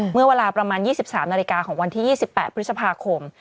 เมื่อเวลาประมาณ๒๓นาฬิกาของวันที่๒๘พฤษภาคม